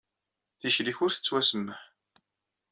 Tikli-nnek ur tettwasemmaḥ.